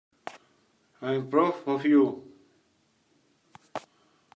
I'm proud of you.